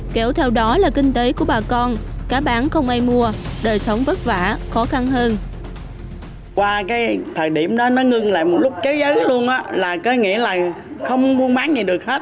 kéo theo đó là kinh tế của bà con cá bán không ai mua đời sống vất vả khó khăn hơn